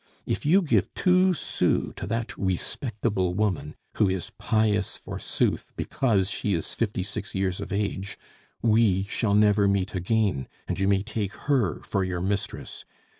If you give two sous to that 'respectable' woman, who is pious forsooth, because she is fifty six years of age, we shall never meet again, and you may take her for your mistress!